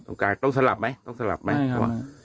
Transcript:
งการต้องสลับไหมต้องสลับไหม